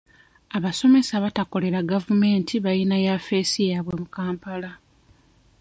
Abasomesa abatakolera gavumenti bayina yafeesi yaabwe mu Kampala.